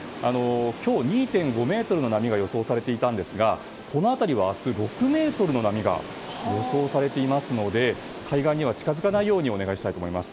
今日２．５ｍの波が予想されていたんですがこの辺りは明日６ｍの波が予想されていますので海岸には近づかないようにお願いしたいと思います。